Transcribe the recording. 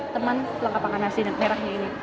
teman pelengkap makan nasi merahnya ini